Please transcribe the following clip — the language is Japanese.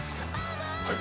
はい。